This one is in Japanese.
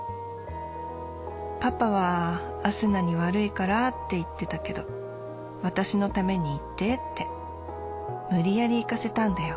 パパは明日菜に悪いからって言って私のために行ってって無理やり行かせたんだよ。